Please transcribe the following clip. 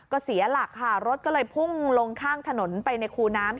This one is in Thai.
ก็เสียหลักค่ะรถก็เลยพุ่งลงข้างถนนไปในคูน้ำ